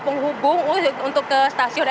penghubung untuk ke stasiun